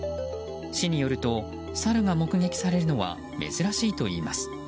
市によるとサルが目撃されるのは珍しいといいます。